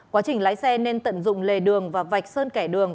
quá trình lái xe nên tận dụng lề đường và vạch sơn kẻ đường